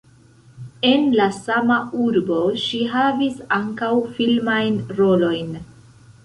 En la sama urbo ŝi havis ankaŭ filmajn rolojn.